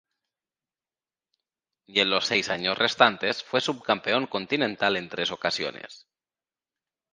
Y en los seis años restantes fue subcampeón continental en tres ocasiones.